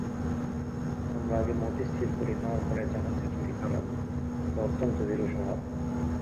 আমরা আগে মতি স্থির করি, তাহার পরে জাহাজে চড়ি–কারণ আমরা অত্যন্ত ভীরুস্বভাব।